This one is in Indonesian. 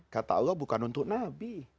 kata allah bukan untuk nabi